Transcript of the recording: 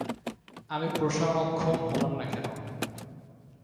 আমি প্রসারণক্ষম হলাম না কেন?